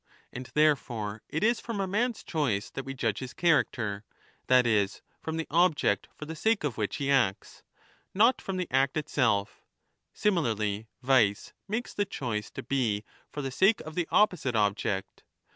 And therefore it is ^ from a man's choice that we judge his character — that is from > the object for the sake of which he acts, not from the act ( itself. Similarly, vice makes the choice to be for the sake of < 5 the opposite object.